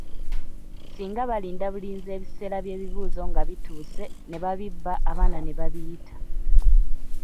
Singa balinda bulinzi ebiseera bye bigezo nga bituuse ne babibba abaana ne babiyita.